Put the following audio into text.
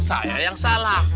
saya yang salah